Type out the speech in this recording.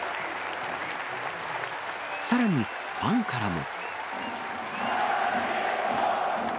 さらに、ファンからも。